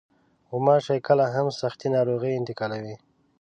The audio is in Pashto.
غوماشې کله هم سختې ناروغۍ انتقالوي.